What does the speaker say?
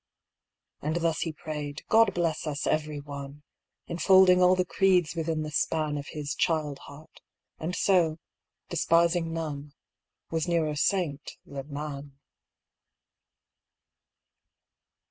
And thus he prayed, " God bless us every one!" Enfolding all the creeds within the span Of his child heart; and so, despising none, Was nearer saint than man.